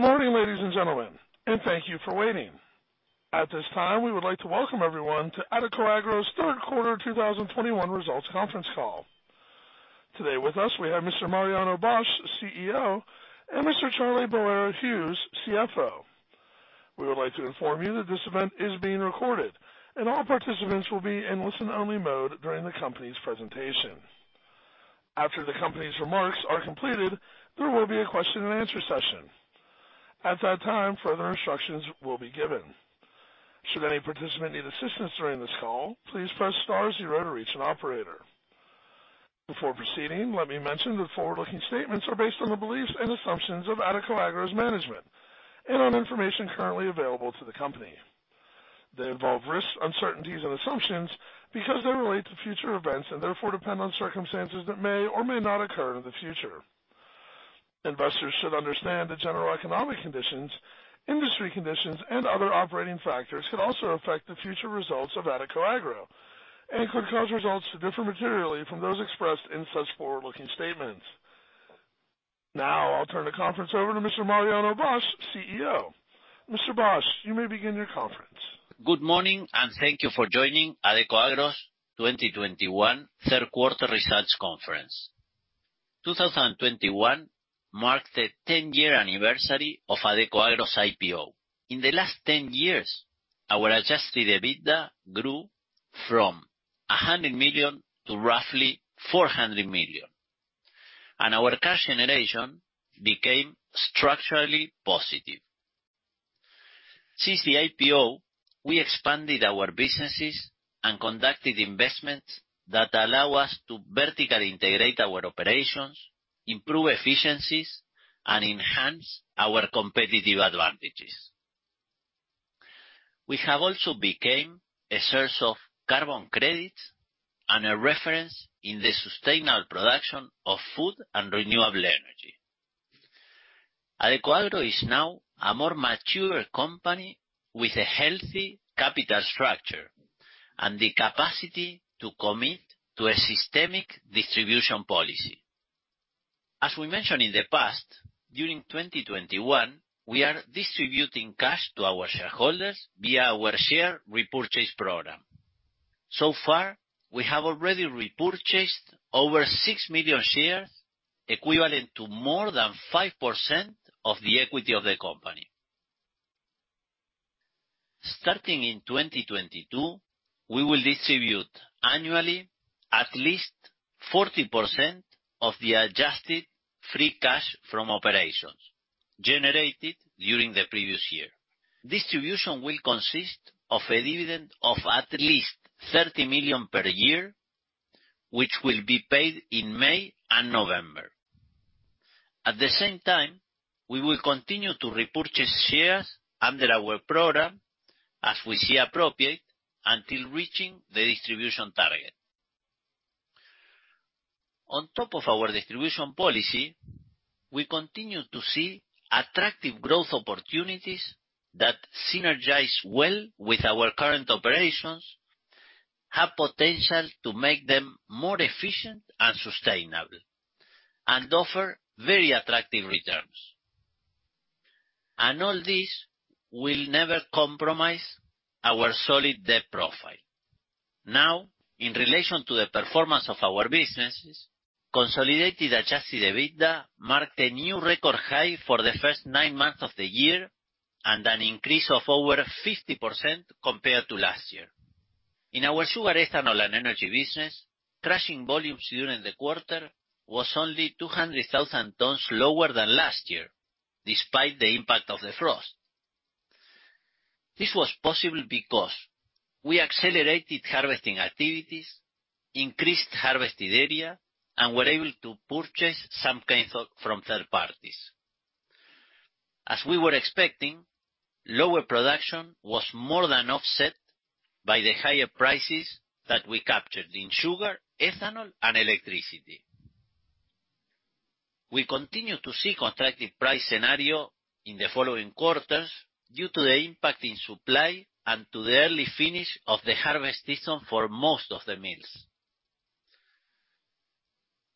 Good morning, ladies and gentlemen, and thank you for waiting. At this time, we would like to welcome everyone to Adecoagro's Q3 2021 results conference call. Today with us, we have Mr. Mariano Bosch, CEO, and Mr. Charlie Boero Hughes, CFO. We would like to inform you that this event is being recorded, and all participants will be in listen-only mode during the company's presentation. After the company's remarks are completed, there will be a question and answer session. At that time, further instructions will be given. Should any participant need assistance during this call, please press star zero to reach an operator. Before proceeding, let me mention that forward-looking statements are based on the beliefs and assumptions of Adecoagro's management and on information currently available to the company. They involve risks, uncertainties, and assumptions because they relate to future events and therefore depend on circumstances that may or may not occur in the future. Investors should understand that general economic conditions, industry conditions, and other operating factors could also affect the future results of Adecoagro and could cause results to differ materially from those expressed in such forward-looking statements. Now, I'll turn the conference over to Mr. Mariano Bosch, CEO. Mr. Bosch, you may begin your conference. Good morning, and thank you for joining Adecoagro's 2021 Q3 results conference. 2021 marked the 10-year anniversary of Adecoagro's IPO. In the last 10 years, our adjusted EBITDA grew from $100 million to roughly $400 million, and our cash generation became structurally positive. Since the IPO, we expanded our businesses and conducted investments that allow us to vertically integrate our operations, improve efficiencies, and enhance our competitive advantages. We have also became a source of carbon credits and a reference in the sustainable production of food and renewable energy. Adecoagro is now a more mature company with a healthy capital structure and the capacity to commit to a systemic distribution policy. As we mentioned in the past, during 2021, we are distributing cash to our shareholders via our share repurchase program. So far, we have already repurchased over six million shares, equivalent to more than 5% of the equity of the company. Starting in 2022, we will distribute annually at least 40% of the adjusted free cash flow from operations generated during the previous year. Distribution will consist of a dividend of at least $30 million per year, which will be paid in May and November. At the same time, we will continue to repurchase shares under our program as we see appropriate until reaching the distribution target. On top of our distribution policy, we continue to see attractive growth opportunities that synergize well with our current operations, have potential to make them more efficient and sustainable, and offer very attractive returns. And all this will never compromise our solid debt profile. Now, in relation to the performance of our businesses, consolidated adjusted EBITDA marked a new record high for the first nine months of the year and an increase of over 50% compared to last year. In our sugar, ethanol, and energy business, crushing volumes during the quarter was only 200,000 tons lower than last year, despite the impact of the frost. This was possible because we accelerated harvesting activities, increased harvested area, and were able to purchase some cane from third parties. As we were expecting, lower production was more than offset by the higher prices that we captured in sugar, ethanol, and electricity. We continue to see constructive price scenario in the following quarters due to the impact in supply and to the early finish of the harvest season for most of the mills.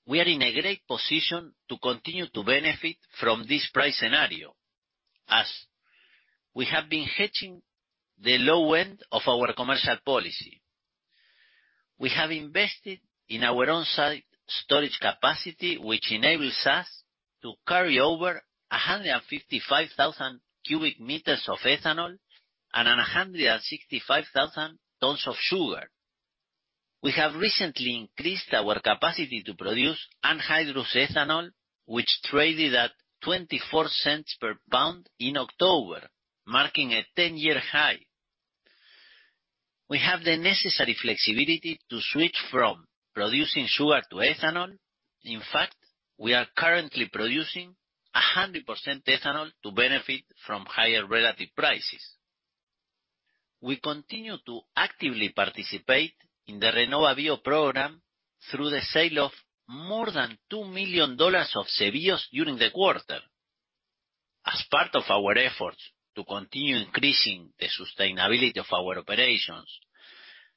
We are in a great position to continue to benefit from this price scenario as we have been hedging the low end of our commercial policy. We have invested in our on-site storage capacity, which enables us to carry over 155,000 cubic meters of ethanol and 165,000 tons of sugar. We have recently increased our capacity to produce anhydrous ethanol, which traded at $0.24 per lbs in October, marking a 10-year high. We have the necessary flexibility to switch from producing sugar to ethanol. In fact, we are currently producing 100% ethanol to benefit from higher relative prices. We continue to actively participate in the RenovaBio program through the sale of more than $2 million of CBios during the quarter. As part of our efforts to continue increasing the sustainability of our operations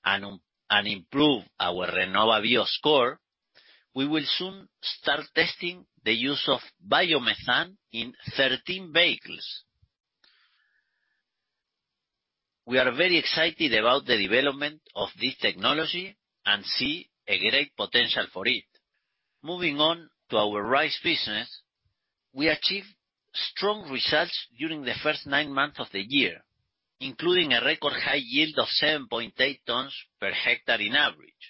and improve our RenovaBio score. We will soon start testing the use of biomethane in 13 vehicles. We are very excited about the development of this technology and see a great potential for it. Moving on to our rice business, we achieved strong results during the first nine months of the year, including a record high yield of 7.8 tons per hectare on average.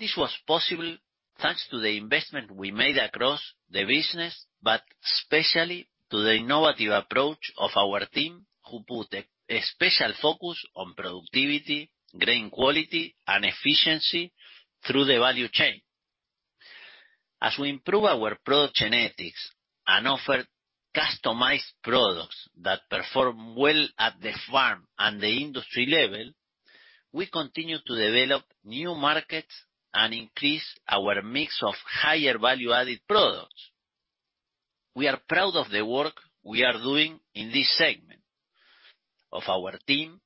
This was possible thanks to the investment we made across the business, but especially to the innovative approach of our team, who put a special focus on productivity, grain quality, and efficiency through the value chain. As we improve our product genetics and offer customized products that perform well at the farm and the industry level, we continue to develop new markets and increase our mix of higher value-added products. We are proud of the work we are doing in this segment, of our team,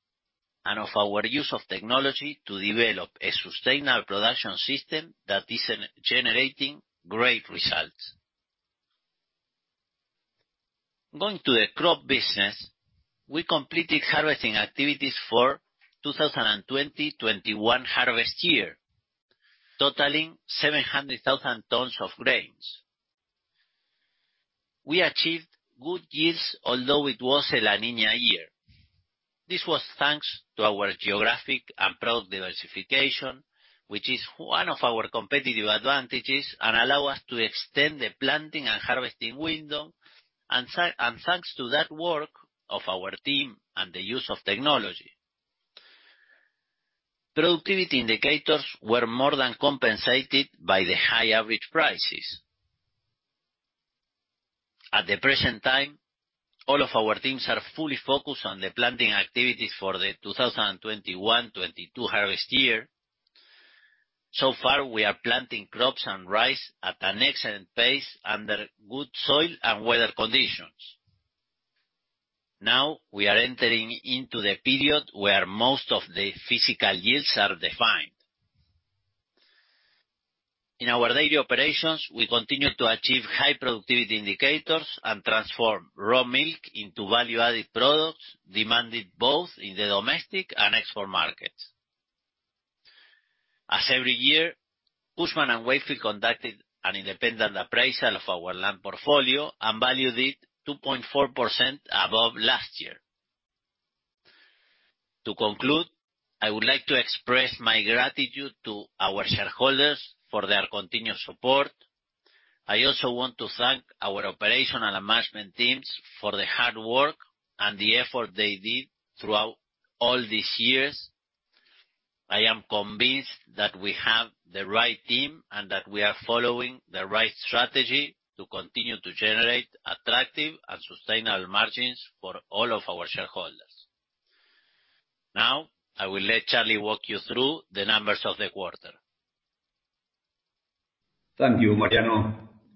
and of our use of technology to develop a sustainable production system that is generating great results. Going to the crop business, we completed harvesting activities for the 2021 harvest year, totaling 700,000 tons of grains. We achieved good yields, although it was a La Niña year. This was thanks to our geographic and product diversification, which is one of our competitive advantages and allow us to extend the planting and harvesting window. And thanks to that work of our team and the use of technology. Productivity indicators were more than compensated by the high average prices. At the present time, all of our teams are fully focused on the planting activities for the 2021-2022 harvest year. So far, we are planting crops and rice at an excellent pace under good soil and weather conditions. Now, we are entering into the period where most of the physical yields are defined. In our daily operations, we continue to achieve high productivity indicators and transform raw milk into value-added products demanded both in the domestic and export markets. As every year, Cushman & Wakefield conducted an independent appraisal of our land portfolio and valued it 2.4% above last year. To conclude, I would like to express my gratitude to our shareholders for their continuous support. I also want to thank our operational and management teams for the hard work and the effort they did throughout all these years. I am convinced that we have the right team and that we are following the right strategy to continue to generate attractive and sustainable margins for all of our shareholders. Now, I will let Charlie walk you through the numbers of the quarter. Thank you, Mariano.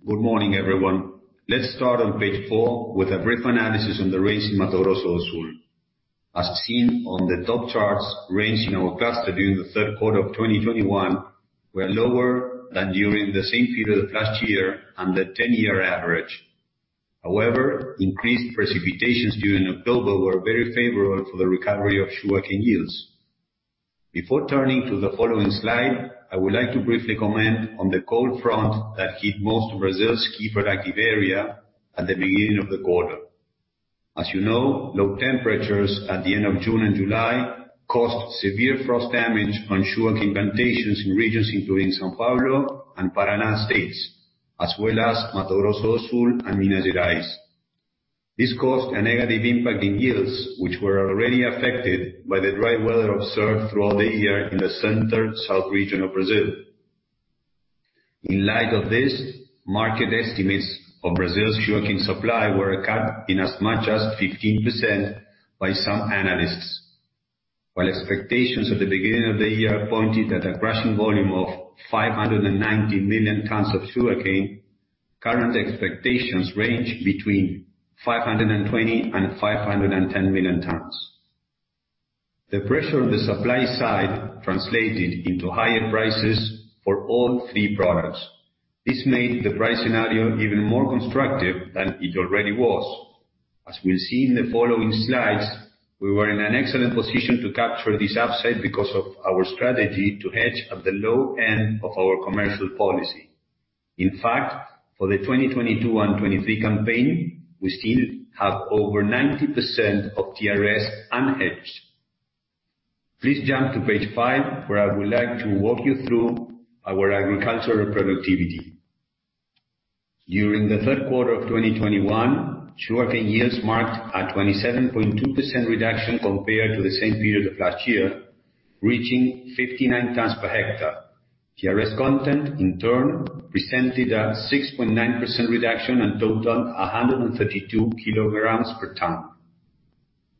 Good morning, everyone. Let's start on page four with a brief analysis on the rains in Mato Grosso do Sul. As seen on the top charts, rains in our cluster during the Q3 of 2021 were lower than during the same period of last year and the 10-year average. However, increased precipitations during October were very favorable for the recovery of sugarcane yields. Before turning to the following slide, I would like to briefly comment on the cold front that hit most of Brazil's key productive area at the beginning of the quarter. As you know, low temperatures at the end of June and July caused severe frost damage on sugarcane plantations in regions including São Paulo and Paraná states, as well as Mato Grosso do Sul and Minas Gerais. This caused a negative impact in yields, which were already affected by the dry weather observed throughout the year in the center south region of Brazil. In light of this, market estimates of Brazil's sugarcane supply were cut in as much as 15% by some analysts. While expectations at the beginning of the year pointed at a crushing volume of 590 million tons of sugarcane, current expectations range between 520 and 510 million tons. The pressure on the supply side translated into higher prices for all three products. This made the price scenario even more constructive than it already was. As we'll see in the following slides, we were in an excellent position to capture this upside because of our strategy to hedge at the low end of our commercial policy. In fact, for the 2022 and 2023 campaign, we still have over 90% of TRS unhedged. Please jump to page five, where I would like to walk you through our agricultural productivity. During the Q3 of 2021, sugarcane yields marked a 27.2% reduction compared to the same period of last year, reaching 59 tons per hectare. TRS content, in turn, presented a 6.9% reduction and totaled 132 kg per ton.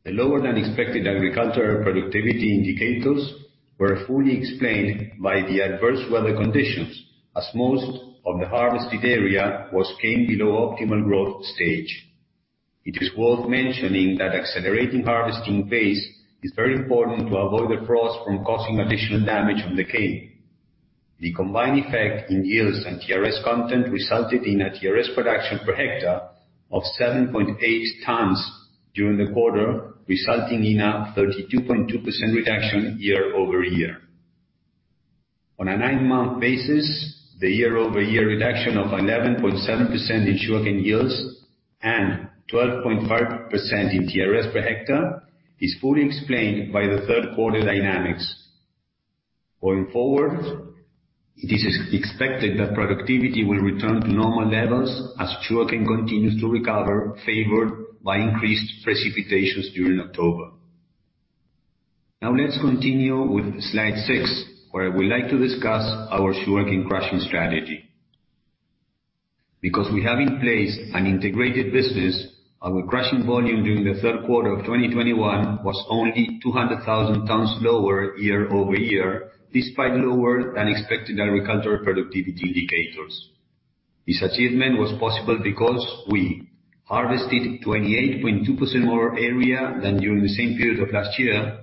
The lower than expected agricultural productivity indicators were fully explained by the adverse weather conditions, as most of the harvested area was cane below optimal growth stage. It is worth mentioning that accelerating harvesting pace is very important to avoid the frost from causing additional damage on the cane. The combined effect in yields and TRS content resulted in a TRS production per hectare of 7.8 tons during the quarter, resulting in a 32.2% reduction year-over-year. On a nine-month basis, the year-over-year reduction of 11.7% in sugarcane yields and 12.5% in TRS per hectare is fully explained by the Q3 dynamics. Going forward, it is expected that productivity will return to normal levels as sugarcane continues to recover, favored by increased precipitation during October. Now let's continue with slide six, where I would like to discuss our sugarcane crushing strategy. Because we have in place an integrated business, our crushing volume during the Q3 of 2021 was only 200,000 tons lower year-over-year, despite lower than expected agricultural productivity indicators. This achievement was possible because we harvested 28.2% more area than during the same period of last year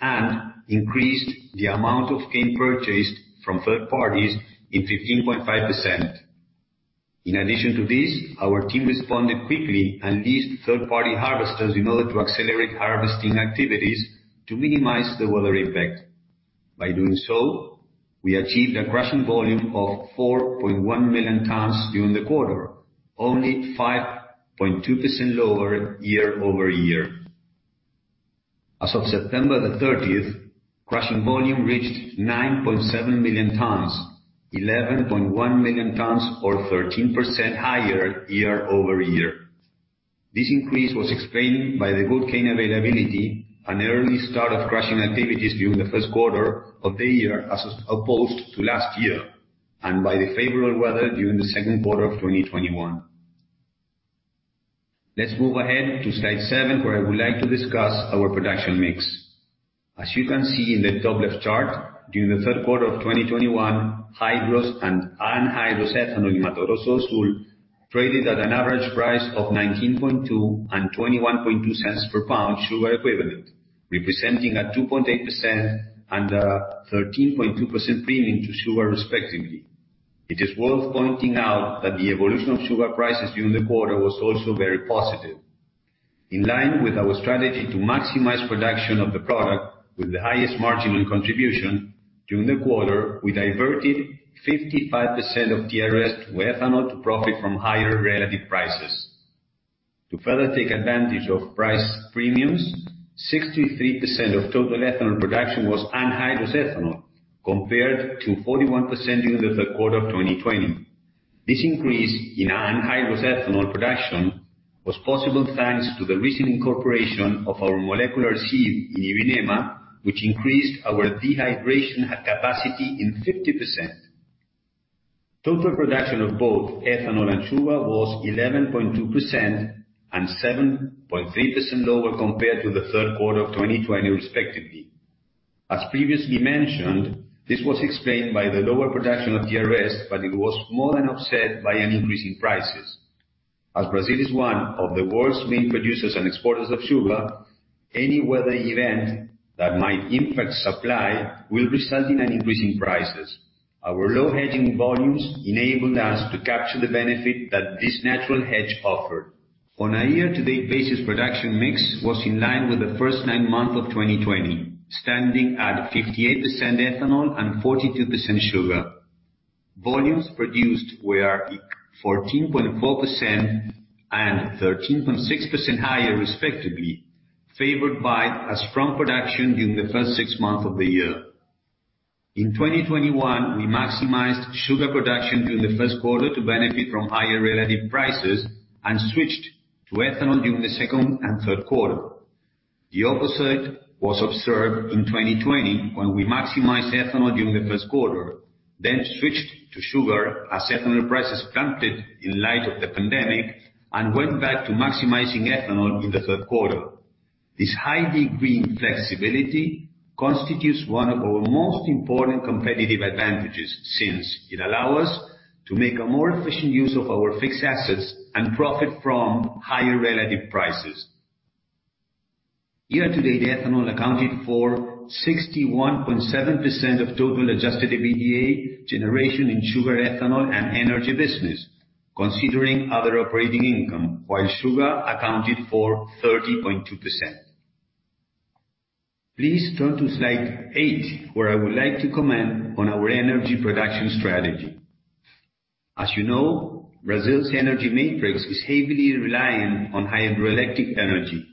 and increased the amount of cane purchased from third parties in 15.5%. In addition to this, our team responded quickly and leased third-party harvesters in order to accelerate harvesting activities to minimize the weather impact. By doing so, we achieved a crushing volume of 4.1 million tons during the quarter, only 5.2% lower year-over-year. As of September 30, crushing volume reached 9.7 million tons, 13% higher year-over-year. This increase was explained by the good cane availability, an early start of crushing activities during the Q1 of the year as opposed to last year, and by the favorable weather during the Q2 of 2021. Let's move ahead to slide seven, where I would like to discuss our production mix. As you can see in the top left chart, during the Q3 of 2021, hydrous and anhydrous ethanol in Mato Grosso do Sul traded at an average price of $19.2 and $21.2 cents per lbs sugar equivalent, representing a 2.8% and a 13.2% premium to sugar respectively. It is worth pointing out that the evolution of sugar prices during the quarter was also very positive. In line with our strategy to maximize production of the product with the highest marginal contribution during the quarter, we diverted 55% of TRS to ethanol to profit from higher relative prices. To further take advantage of price premiums, 63% of total ethanol production was anhydrous ethanol, compared to 41% during the Q3 of 2020. This increase in anhydrous ethanol production was possible thanks to the recent incorporation of our molecular sieve in Ivinhema, which increased our dehydration capacity by 50%. Total production of both ethanol and sugar was 11.2% and 7.3% lower compared to the Q3 of 2020 respectively. As previously mentioned, this was explained by the lower production of TRS, but it was more than offset by an increase in prices. As Brazil is one of the world's main producers and exporters of sugar, any weather event that might impact supply will result in an increase in prices. Our low hedging volumes enabled us to capture the benefit that this natural hedge offered. On a year-to-date basis, production mix was in line with the first nine months of 2020, standing at 58% ethanol and 42% sugar. Volumes produced were 14.4% and 13.6% higher respectively, favored by a strong production during the first six months of the year. In 2021, we maximized sugar production during the Q1 to benefit from higher relative prices and switched to ethanol during the second and Q3. The opposite was observed in 2020 when we maximized ethanol during the Q1, then switched to sugar as ethanol prices plummeted in light of the pandemic and went back to maximizing ethanol in the Q3. This high degree of flexibility constitutes one of our most important competitive advantages since it allows us to make a more efficient use of our fixed assets and profit from higher relative prices. Year-to-date, ethanol accounted for 61.7% of total adjusted EBITDA generation in sugar, ethanol, and energy business, considering other operating income, while sugar accounted for 30.2%. Please turn to slide eight, where I would like to comment on our energy production strategy. As you know, Brazil's energy matrix is heavily reliant on hydroelectric energy.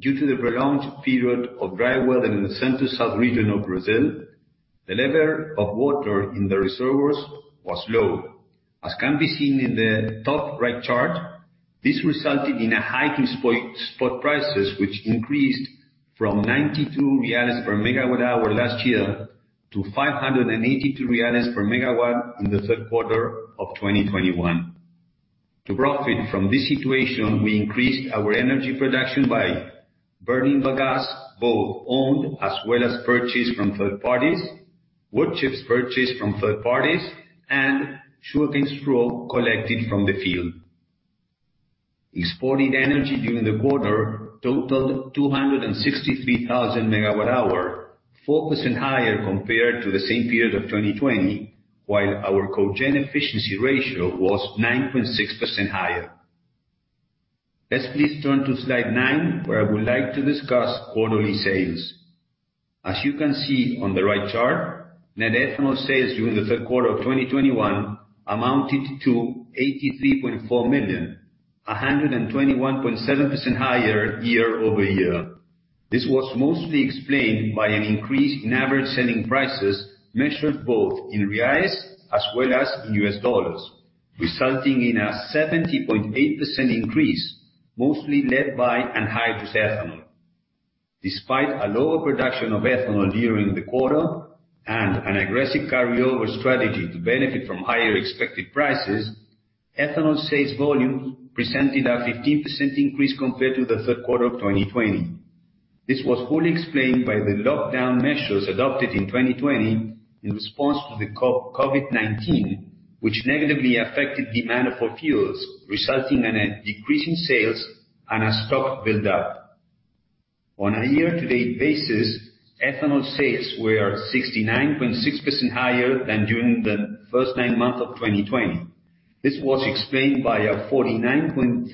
Due to the prolonged period of dry weather in the center-south region of Brazil, the level of water in the reservoirs was low. As can be seen in the top right chart, this resulted in a hike in spot prices, which increased from 92 per MWh last year to 582 per MWh in the Q3 of 2021. To profit from this situation, we increased our energy production by burning bagasse, both owned as well as purchased from third parties, wood chips purchased from third parties, and sugarcane straw collected from the field. Exported energy during the quarter totaled 263,000 MWh, 4% higher compared to the same period of 2020, while our cogen efficiency ratio was 9.6% higher. Let's please turn to slide nine, where I would like to discuss quarterly sales. As you can see on the right chart, net ethanol sales during the Q3 of 2021 amounted to $83.4 million, 121.7% higher year-over-year. This was mostly explained by an increase in average selling prices measured both in reals as well as in U.S. dollars, resulting in a 70.8% increase, mostly led by anhydrous ethanol. Despite a lower production of ethanol during the quarter and an aggressive carryover strategy to benefit from higher expected prices, ethanol sales volume presented a 15% increase compared to the Q3 of 2020. This was fully explained by the lockdown measures adopted in 2020 in response to the COVID-19, which negatively affected demand for fuels, resulting in a decrease in sales and a stock build-up. On a year-to-date basis, ethanol sales were 69.6% higher than during the first nine months of 2020. This was explained by a 49.3%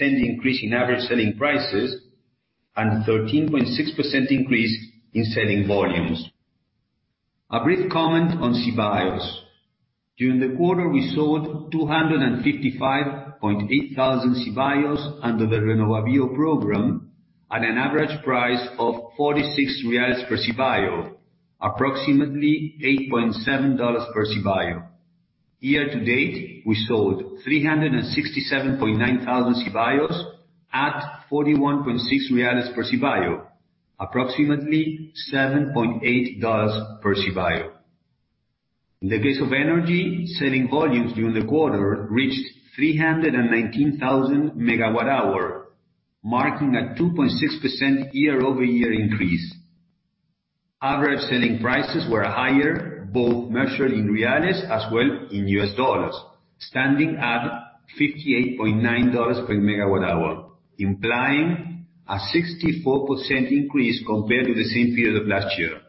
increase in average selling prices and 13.6% increase in selling volumes. A brief comment on CBios. During the quarter, we sold 255.8 thousand CBios under the RenovaBio program at an average price of 46 reais per CBio, approximately $8.7 per CBio. Year to date, we sold 367.9 thousand CBios at 41.6 BRL per CBio, approximately $7.8 per CBio. In the case of energy, selling volumes during the quarter reached 319,000 MWh, marking a 2.6% year-over-year increase. Average selling prices were higher, both measured in reals as well in U.S. dollars, standing at $58.9 per megawatt-hour, implying a 64% increase compared to the same period of last year.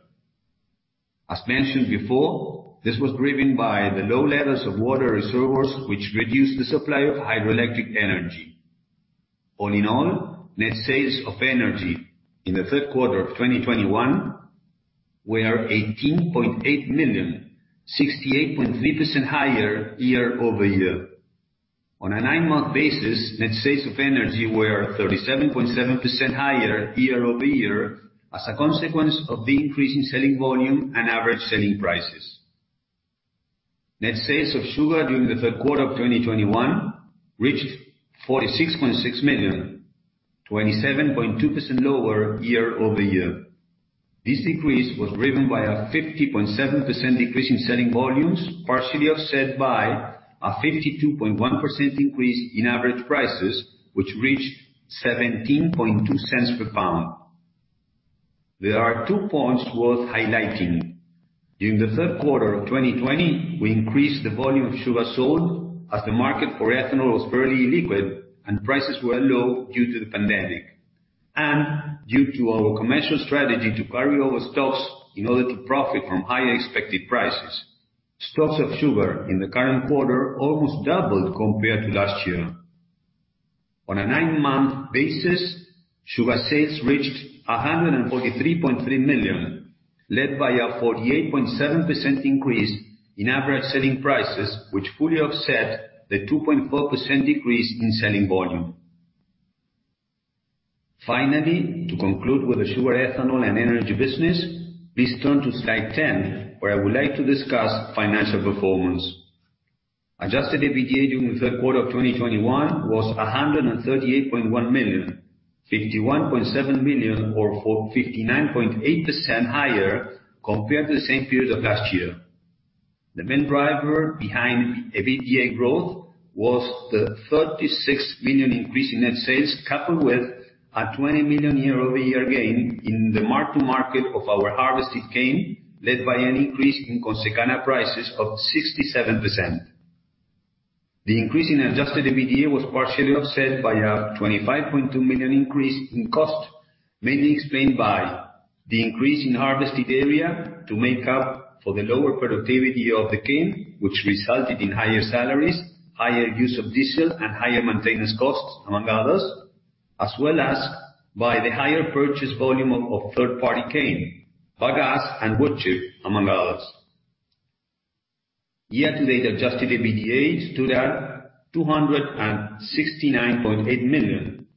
As mentioned before, this was driven by the low levels of water reservoirs, which reduced the supply of hydroelectric energy. All in all, net sales of energy in the Q3 of 2021 were $18.8 million, 68.3% higher year-over-year. On a nine-month basis, net sales of energy were 37.7% higher year-over-year as a consequence of the increase in selling volume and average selling prices. Net sales of sugar during the Q3 of 2021 reached $46.6 million, 27.2% lower year-over-year. This decrease was driven by a 50.7% decrease in selling volumes, partially offset by a 52.1% increase in average prices, which reached $0.172 per lbs. There are two points worth highlighting. During the Q3 of 2020, we increased the volume of sugar sold as the market for ethanol was fairly illiquid and prices were low due to the pandemic. And due to our commercial strategy to carry over stocks in order to profit from higher expected prices. Stocks of sugar in the current quarter almost doubled compared to last year. On a nine-month basis, sugar sales reached $143.3 million, led by a 48.7% increase in average selling prices, which fully offset the 2.4% decrease in selling volume. Finally, to conclude with the sugar, ethanol, and energy business, please turn to slide 10, where I would like to discuss financial performance. Adjusted EBITDA during the Q3 of 2021 was $138.1 million, $51.7 million, or 59.8% higher compared to the same period of last year. The main driver behind EBITDA growth was the $36 million increase in net sales, coupled with a $20 million year-over-year gain in the mark-to-market of our harvested cane, led by an increase in Consecana prices of 67%. The increase in adjusted EBITDA was partially offset by a $25.2 million increase in cost, mainly explained by the increase in harvested area to make up for the lower productivity of the cane, which resulted in higher salaries, higher use of diesel, and higher maintenance costs, among others, as well as by the higher purchase volume of third-party cane, bagasse and wood chips, among others. Year-to-date adjusted EBITDA stood at $269.8 million,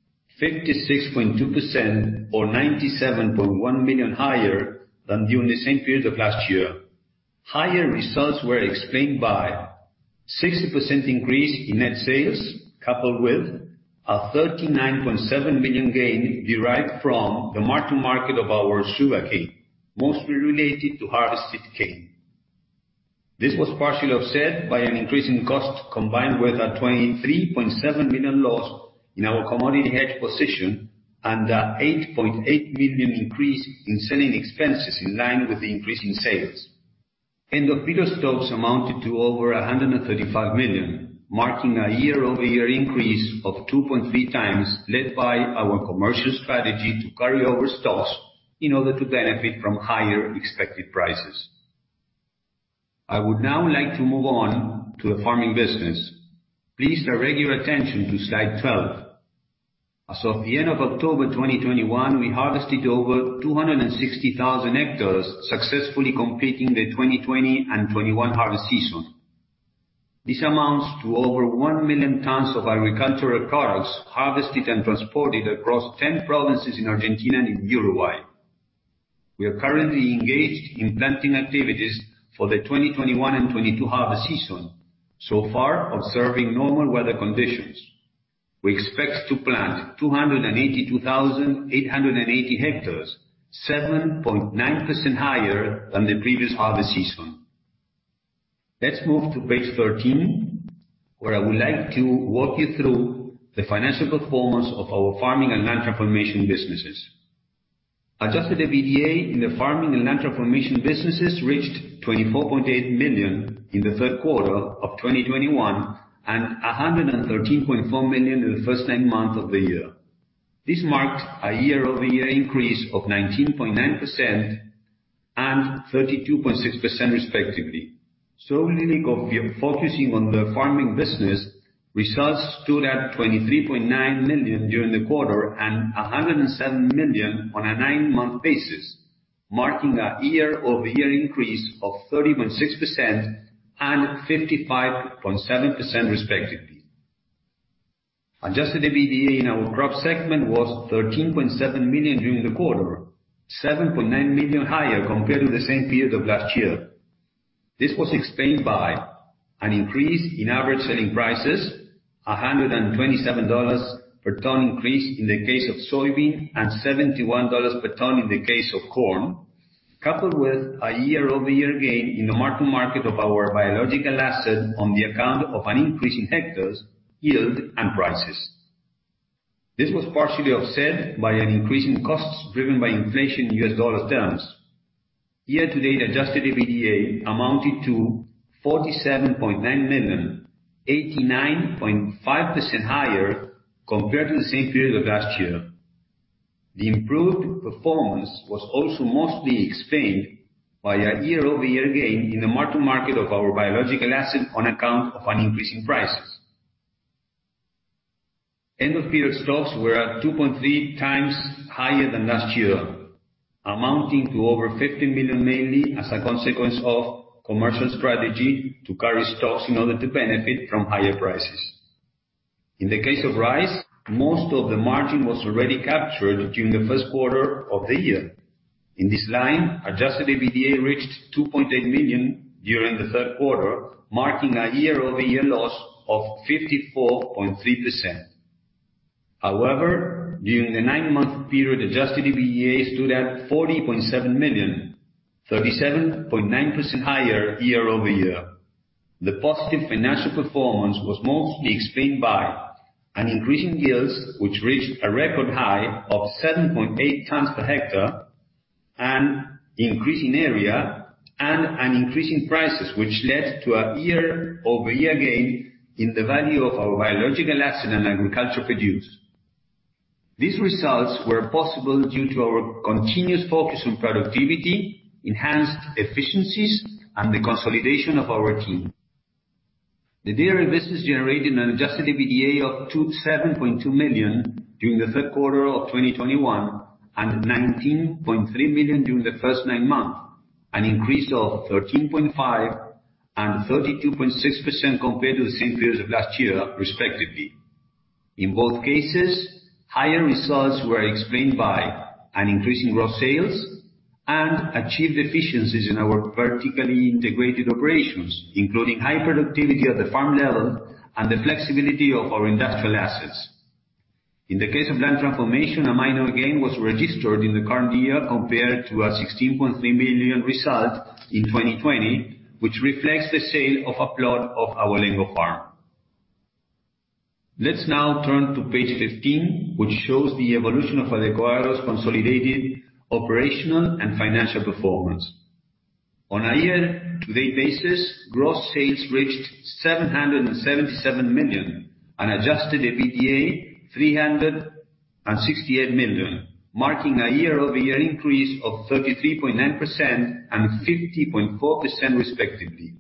56.2% or $97.1 million higher than during the same period of last year. Higher results were explained by 60% increase in net sales, coupled with a $39.7 million gain derived from the mark-to-market of our sugarcane, mostly related to harvested cane. This was partially offset by an increase in cost, combined with a $23.7 million loss in our commodity hedge position and eight point eight million increase in selling expenses in line with the increase in sales. End of year stocks amounted to over $135 million, marking a year-over-year increase of 2.3x led by our commercial strategy to carry over stocks in order to benefit from higher expected prices. I would now like to move on to the farming business. Please direct your attention to slide 12. As of the end of October 2021, we harvested over 260,000 hectares, successfully completing the 2020 and 2021 harvest season. This amounts to over one million tons of agricultural products harvested and transported across 10 provinces in Argentina and Uruguay. We are currently engaged in planting activities for the 2021 and 2022 harvest season, so far observing normal weather conditions. We expect to plant 282,880 hectares, 7.9% higher than the previous harvest season. Let's move to page 13, where I would like to walk you through the financial performance of our farming and land transformation businesses. Adjusted EBITDA in the farming and land transformation businesses reached $24.8 million in the Q3 of 2021 and $113.4 million in the first nine months of the year. This marked a year-over-year increase of 19.9% and 32.6% respectively. Focusing on the farming business, results stood at $23.9 million during the quarter and $107 million on a nine-month basis, marking a year-over-year increase of 30.6% and 55.7% respectively. Adjusted EBITDA in our crop segment was $13.7 million during the quarter, $7.9 million higher compared to the same period of last year. This was explained by an increase in average selling prices, a $127 per ton increase in the case of soybean and $71 per ton in the case of corn, coupled with a year-over-year gain in the mark-to-market of our biological asset on account of an increase in hectares, yield, and prices. This was partially offset by an increase in costs driven by inflation in U.S. dollar terms. Year to date, adjusted EBITDA amounted to $47.9 million, 89.5% higher compared to the same period of last year. The improved performance was also mostly explained by a year-over-year gain in the mark-to-market of our biological asset on account of an increase in prices. End of period stocks were at 2.3x higher than last year, amounting to over $50 million, mainly as a consequence of commercial strategy to carry stocks in order to benefit from higher prices. In the case of rice, most of the margin was already captured during the Q1 of the year. In this line, adjusted EBITDA reached $2.8 million during the Q3, marking a year-over-year loss of 54.3%. However, during the nine-month period, adjusted EBITDA stood at $40.7 million, 37.9% higher year-over-year. The positive financial performance was mostly explained by an increase in yields, which reached a record high of 7.8 tons per hectare, an increase in area and an increase in prices, which led to a year-over-year gain in the value of our biological asset and agricultural produce. These results were possible due to our continuous focus on productivity, enhanced efficiencies, and the consolidation of our team. The dairy business generated an adjusted EBITDA of $7.2 million during the Q3 of 2021 and $19.3 million during the first nine months, an increase of 13.5% and 32.6% compared to the same period of last year, respectively. In both cases, higher results were explained by an increase in gross sales and achieved efficiencies in our vertically integrated operations, including high productivity at the farm level and the flexibility of our industrial assets. In the case of land transformation, a minor gain was registered in the current year compared to a $16.3 million result in 2020, which reflects the sale of a plot of our Abolengo farm. Let's now turn to page 15, which shows the evolution of Adecoagro's consolidated operational and financial performance. On a year-to-date basis, gross sales reached $777 million and adjusted EBITDA, $368 million, marking a year-over-year increase of 33.9% and 50.4% respectively.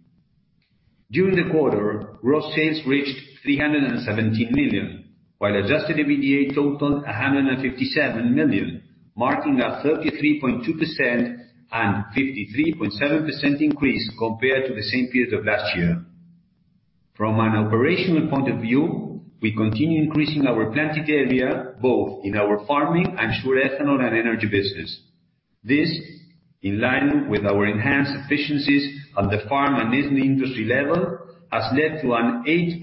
During the quarter, gross sales reached $317 million, while adjusted EBITDA totaled $157 million, marking a 33.2% and 53.7% increase compared to the same period of last year. From an operational point of view, we continue increasing our planted area, both in our farming and sugar, ethanol, and energy business. This, in line with our enhanced efficiencies at the farm and industry level has led to an 8.2%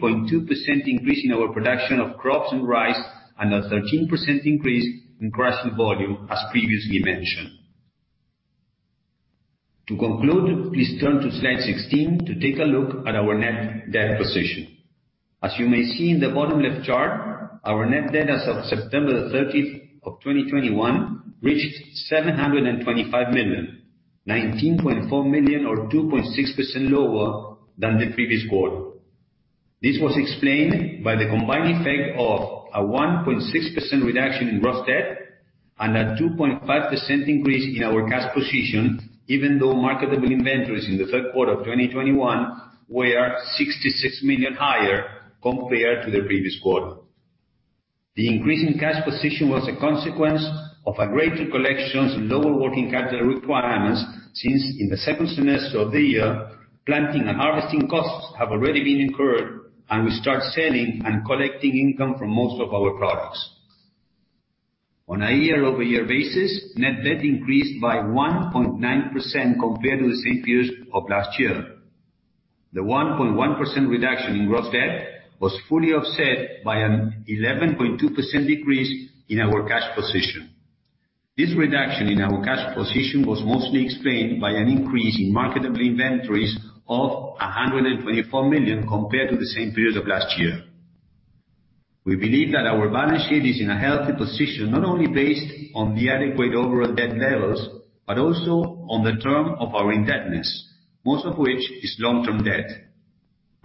increase in our production of crops and rice, and a 13% increase in crushing volume, as previously mentioned. To conclude, please turn to slide 16 to take a look at our net debt position. As you may see in the bottom left chart, our net debt as of September 30, 2021, reached $725 million, $19.4 million or 2.6% lower than the previous quarter. This was explained by the combined effect of a 1.6% reduction in gross debt and a 2.5% increase in our cash position, even though marketable inventories in the Q3 of 2021 were $66 million higher compared to the previous quarter. The increase in cash position was a consequence of a greater collections and lower working capital requirements, since in the second semester of the year, planting and harvesting costs have already been incurred, and we start selling and collecting income from most of our products. On a year-over-year basis, net debt increased by 1.9% compared to the same period of last year. The 1.1% reduction in gross debt was fully offset by an 11.2% decrease in our cash position. This reduction in our cash position was mostly explained by an increase in marketable inventories of $124 million, compared to the same period of last year. We believe that our balance sheet is in a healthy position, not only based on the adequate overall debt levels, but also on the term of our indebtedness, most of which is long-term debt.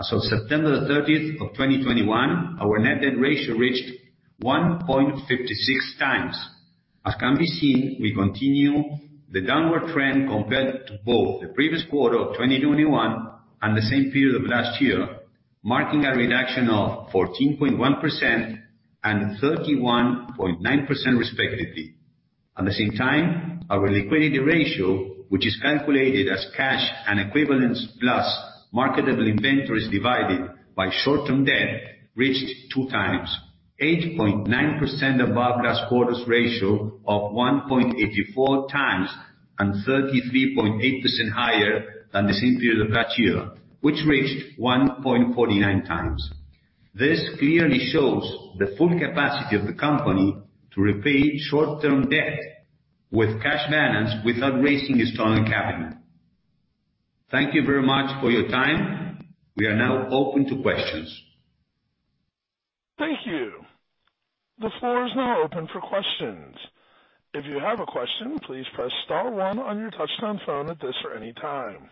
As of September 30, 2021, our net debt ratio reached 1.56x. As can be seen, we continue the downward trend compared to both the previous quarter of 2021 and the same period of last year, marking a reduction of 14.1% and 31.9% respectively. At the same time, our liquidity ratio, which is calculated as cash and equivalents, plus marketable inventories divided by short-term debt, reached 2x, 8.9% above last quarter's ratio of 1.84x and 33.8% higher than the same period of last year, which reached 1.49x. This clearly shows the full capacity of the company to repay short-term debt with cash balance without raising external capital. Thank you very much for your time. We are now open to questions. Thank you. The floor is now open for questions. If you have a question, please press star one on your touchtone phone at this or any time.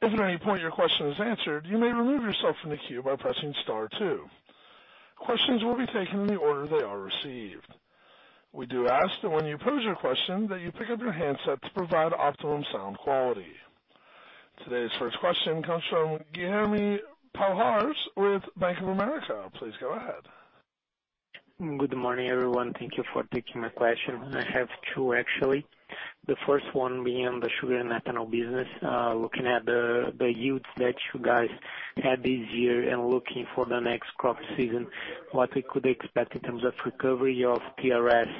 If at any point your question is answered, you may remove yourself from the queue by pressing star two. Questions will be taken in the order they are received. We do ask that when you pose your question, that you pick up your handset to provide optimum sound quality. Today's first question comes from Guilherme Palhares with Bank of America. Please go ahead. Good morning, everyone. Thank you for taking my question. I have two, actually. The first one being the sugar and ethanol business, looking at the yields that you guys had this year and looking for the next crop season, what we could expect in terms of recovery of TRS of cane.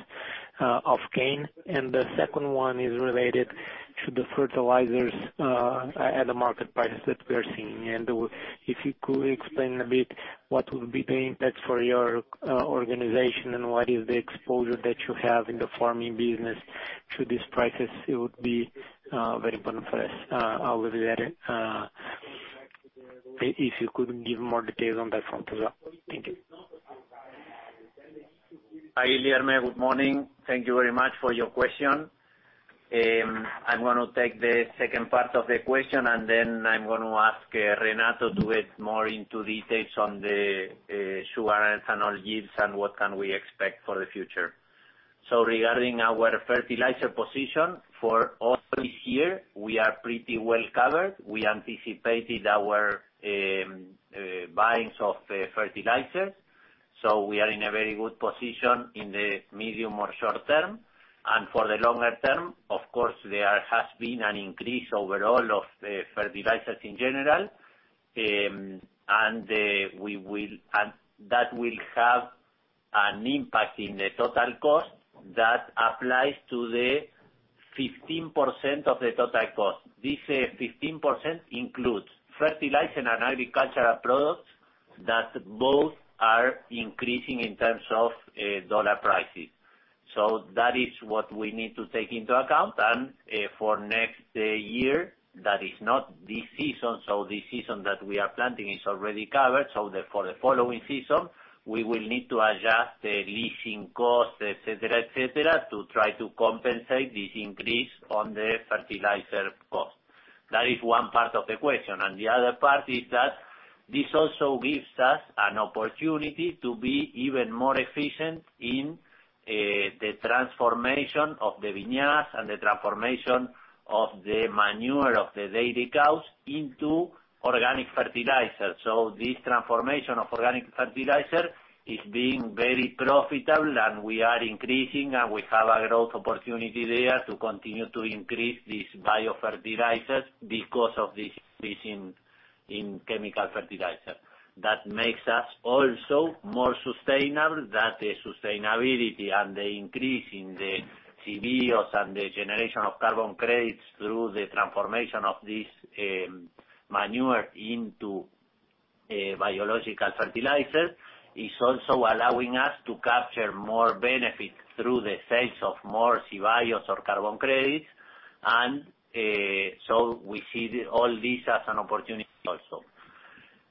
And the second one is related to the fertilizers at the market prices that we are seeing. If you could explain a bit what would be the impact for your organization and what is the exposure that you have in the farming business to these prices, it would be very important for us. I'll leave it at that. If you could give more details on that front as well. Thank you. Hi, Guilherme. Good morning. Thank you very much for your question. I'm gonna take the second part of the question, and then I'm gonna ask Renato to get more into details on the sugar and ethanol yields and what can we expect for the future. So regarding our fertilizer position, for all this year, we are pretty well covered. We anticipated our buying of fertilizers, so we are in a very good position in the medium or short term. And for the longer term, of course, there has been an increase overall of fertilizers in general, and that will have an impact in the total cost. That applies to the 15% of the total cost. This 15% includes fertilizer and agricultural products that both are increasing in terms of dollar prices. So that is what we need to take into account. For next year, that is not this season, so this season that we are planting is already covered. So the for the following season, we will need to adjust the leasing costs, et cetera, et cetera, to try to compensate this increase on the fertilizer cost. That is one part of the question. And the other part is that this also gives us an opportunity to be even more efficient in the transformation of the vinasses and the transformation of the manure of the dairy cows into organic fertilizer. So this transformation of organic fertilizer is being very profitable, and we are increasing, and we have a growth opportunity there to continue to increase these biofertilizers because of this increase in chemical fertilizer. That makes us also more sustainable, that the sustainability and the increase in the CBios and the generation of carbon credits through the transformation of this manure into a biological fertilizer is also allowing us to capture more benefits through the sales of more CBios or carbon credits. And so, we see all this as an opportunity also.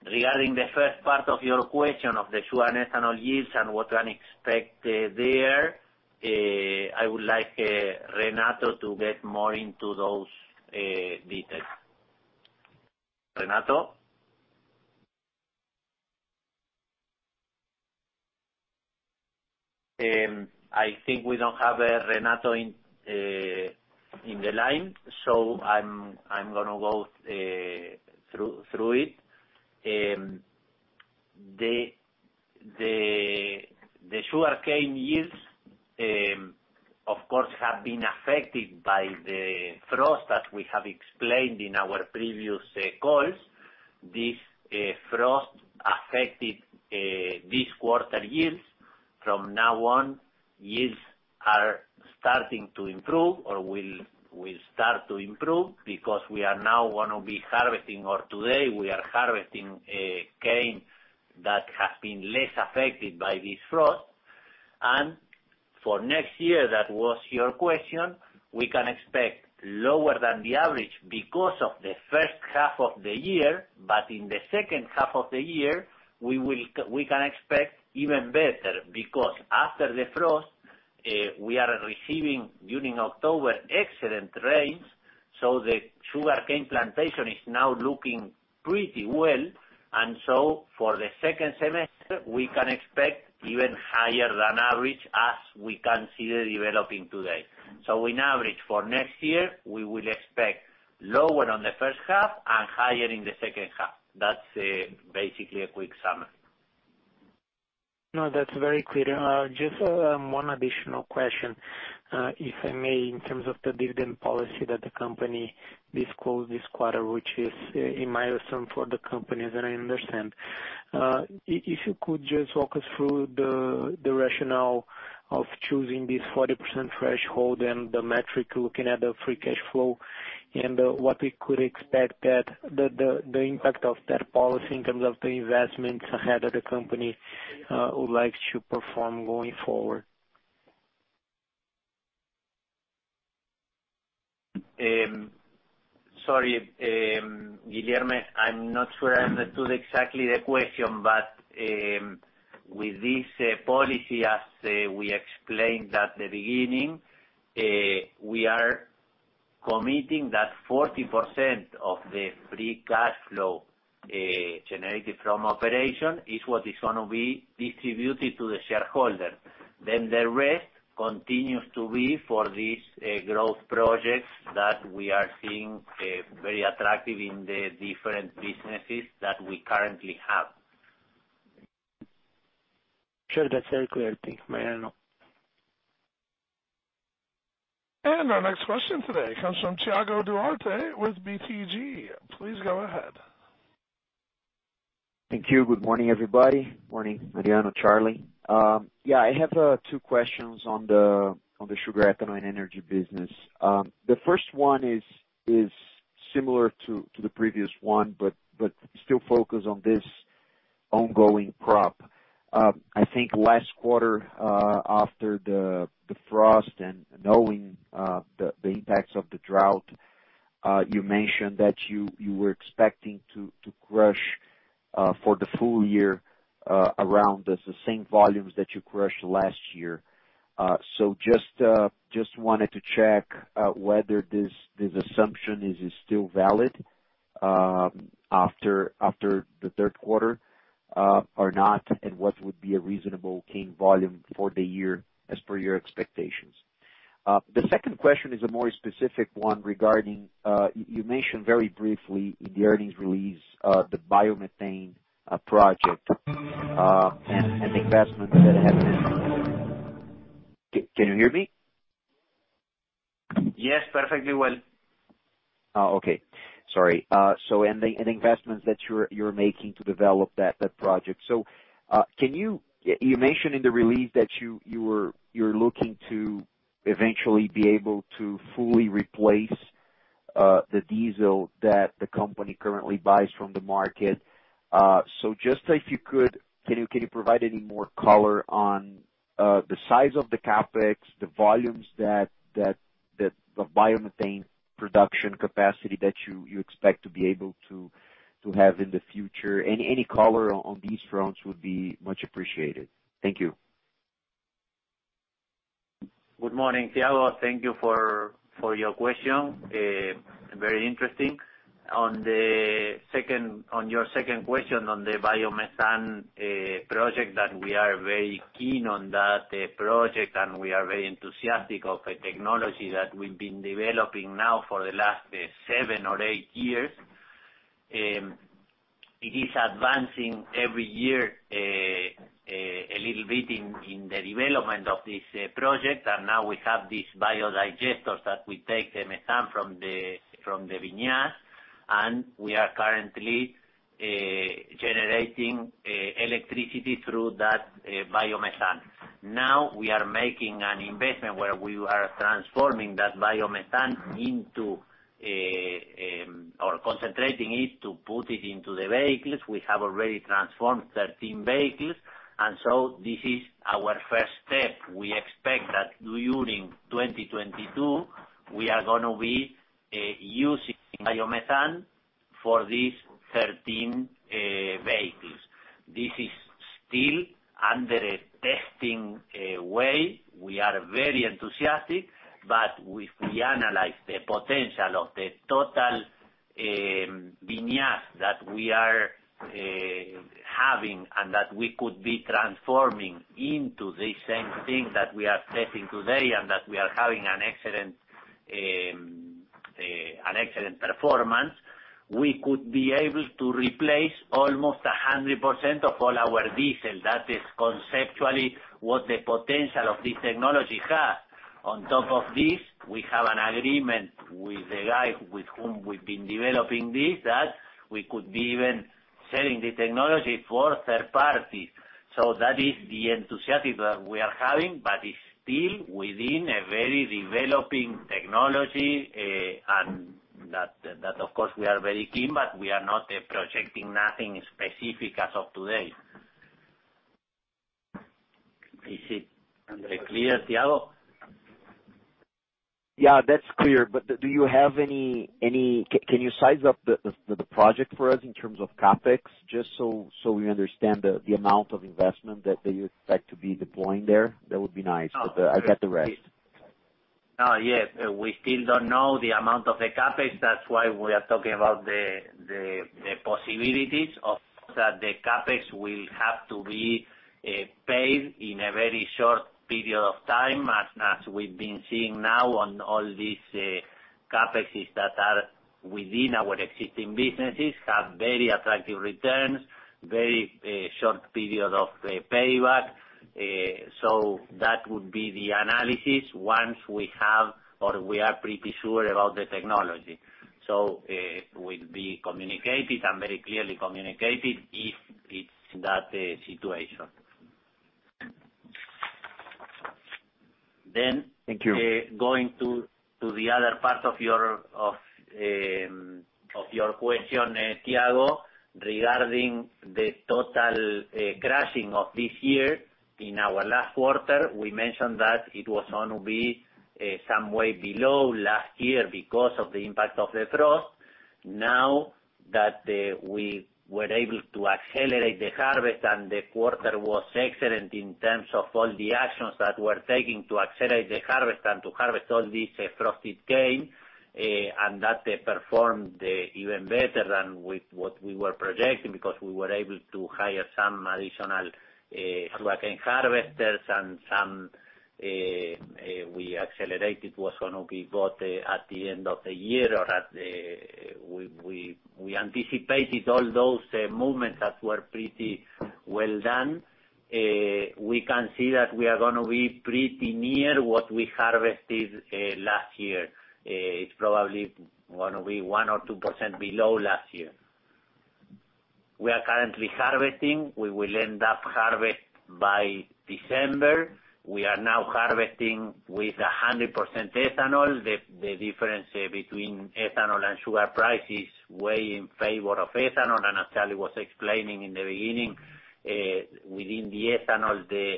Regarding the first part of your question of the sugar and ethanol yields and what we can expect there, I would like Renato to get more into those details. Renato? I think we don't have Renato in the line, so I'm gonna go through it. And the sugarcane yields, of course, have been affected by the frost as we have explained in our previous calls. This frost affected this quarter yields. From now on, yields are starting to improve or will start to improve because we are now gonna be harvesting, or today we are harvesting, cane that has been less affected by this frost. And for next year, that was your question, we can expect lower than the average because of the first half of the year, but in the second half of the year, we can expect even better because after the frost, we are receiving, during October, excellent rains, so the sugarcane plantation is now looking pretty well. And so, for the second semester, we can expect even higher than average as we can see it developing today. So in average, for next year, we will expect lower on the first half and higher in the second half. That's basically a quick summary. No, that's very clear. Just, one additional question, if I may, in terms of the dividend policy that the company disclosed this quarter, which is a milestone for the company, as I understand. If you could just walk us through the rationale of choosing this 40% threshold and the metric looking at the free cash flow and, what we could expect that the impact of that policy in terms of the investments ahead of the company, would like to perform going forward. Sorry, Guilherme, I'm not sure I understood exactly the question, but with this policy, as we explained at the beginning, we are committing that 40% of the free cash flow generated from operations is what is gonna be distributed to the shareholder. Then the rest continues to be for these growth projects that we are seeing very attractive in the different businesses that we currently have. Sure. That's very clear, thank you. Mariano. Our next question today comes from Thiago Duarte with BTG. Please go ahead. Thank you. Good morning, everybody. Morning, Mariano, Charlie. Yeah, I have two questions on the sugar, ethanol and energy business. The first one is, is similar to the previous one, but, but still focused on this ongoing crop. I think last quarter, after the frost and knowing the impacts of the drought, you mentioned that you were expecting to crush for the full year around the same volumes that you crushed last year. So just wanted to check whether this assumption is still valid after the Q3 or not, and what would be a reasonable cane volume for the year as per your expectations. The second question is a more specific one regarding you mentioned very briefly in the earnings release the biomethane project and investments that have been. Can you hear me? Yes, perfectly well. Okay, sorry. The investments that you're making to develop that project. You mentioned in the release that you're looking to eventually be able to fully replace the diesel that the company currently buys from the market. So juts if you could provide any more color on the size of the CapEx, the volumes, the biomethane production capacity that you expect to be able to have in the future. And any color on these fronts would be much appreciated. Thank you. Good morning, Thiago. Thank you for your question. Very interesting. On the second, on your second question on the biomethane project that we are very keen on that project and we are very enthusiastic of a technology that we've been developing now for the last seven or eight years. It is advancing every year, a little bit in the development of this project, and now we have these biodigesters that we take the methane from the vinasse, and we are currently generating electricity through that biomethane. Now we are making an investment where we are transforming that biomethane into a or concentrating it to put it into the vehicles. We have already transformed 13 vehicles, and so this is our first step. We expect that during 2022, we are gonna be using biomethane for these 13 vehicles. This is still under a testing way. We are very enthusiastic, but if we analyze the potential of the total vinasse that we are having and that we could be transforming into the same thing that we are testing today, and that we are having an excellent performance, we could be able to replace almost 100% of all our diesel. That is conceptually what the potential of this technology has. On top of this, we have an agreement with the guy with whom we've been developing this, that we could be even selling the technology for third parties. So that is the enthusiasm we are having, but it's still within a very developing technology, and that of course we are very keen, but we are not projecting nothing specific as of today. Is it very clear, Tiago? Yeah, that's clear. Can you size up the project for us in terms of CapEx, just so we understand the amount of investment that you expect to be deploying there? That would be nice. I got the rest. Yes, we still don't know the amount of the CapEx. That's why we are talking about the, the possibilities. Of course, that the CapEx will have to be paid in a very short period of time, as we've been seeing now on all these CapExes that are within our existing businesses have very attractive returns, very short period of payback. So that would be the analysis once we have or we are pretty sure about the technology. So it will be communicated and very clearly communicated if it's that situation. Then. Thank you. Going to the other part of your question, Thiago, regarding the total crushing of this year. In our last quarter, we mentioned that it was gonna be some way below last year because of the impact of the frost. Now that we were able to accelerate the harvest and the quarter was excellent in terms of all the actions that we're taking to accelerate the harvest and to harvest all this frosted cane, and that they performed even better than what we were projecting, because we were able to hire some additional sugarcane harvesters and some, we accelerated what's gonna be bought at the end of the year or at the end of the year. We anticipated all those movements that were pretty well done. We can see that we are gonna be pretty near what we harvested last year. It's probably gonna be 1% or 2% below last year. We are currently harvesting. We will end up harvesting by December. We are now harvesting with 100% ethanol. The difference between ethanol and sugar price is way in favor of ethanol, and as Charlie was explaining in the beginning, within the ethanol, the